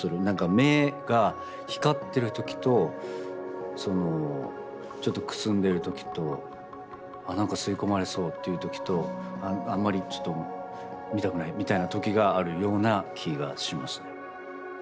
目が光ってる時とちょっとくすんでる時とあなんか吸い込まれそうっていう時とあんまりちょっと見たくないみたいな時があるような気がしますね。